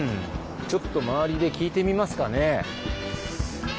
ちょっと周りで聞いてみますかね。